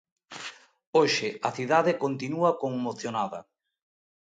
Hoxe a cidade continúa conmocionada.